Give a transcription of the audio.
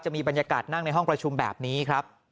มีบรรยากาศนั่งในห้องประชุมแบบนี้ครับ